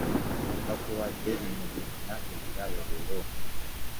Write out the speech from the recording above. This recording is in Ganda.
Baani abakuwadde bino byonna ebirabo leero?